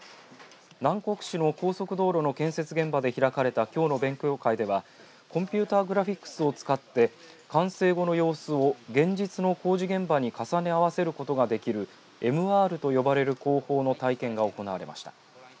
南国市の高速道路の建設現場で開かれたきょうの勉強会ではコンピューターグラフィックスを使って完成後の様子を現実の工事現場に重ね合わせることができるＭＲと呼ばれる工法の体験が行われました。